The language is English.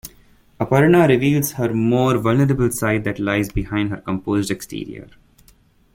Aparna reveals her more vulnerable side that lies behind her composed exterior.